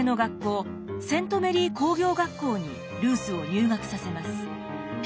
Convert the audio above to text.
セント・メリー工業学校にルースを入学させます。